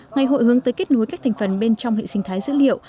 ngày hội hướng tới kết nối các thành phần bên trong hệ sinh thái dữ liệu